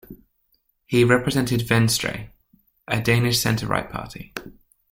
He represents Venstre, a Danish centre-right party.